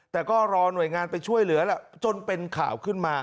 แต่ก็รอหน่วยงานไปช่วยเหลือล่ะจนเป็นข่าวขึ้นมา